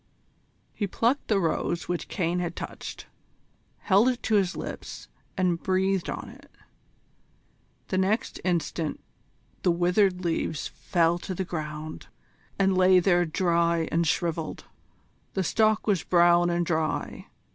He plucked the rose which Caine had touched, held it to his lips and breathed on it. The next instant the withered leaves fell to the ground, and lay there dry and shrivelled. The stalk was brown and dry.